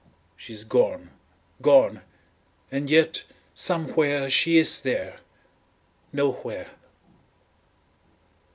She is gone! gone! and yet somewhere she is there. Nowhere!